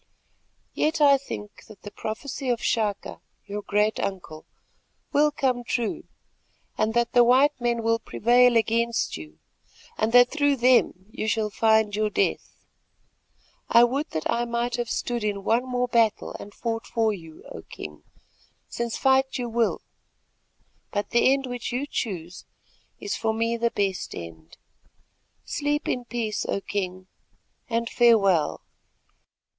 Yet I think that the prophecy of Chaka, your great uncle, will come true, and that the white men will prevail against you and that through them you shall find your death. I would that I might have stood in one more battle and fought for you, O King, since fight you will, but the end which you choose is for me the best end. Sleep in peace, O King, and farewell.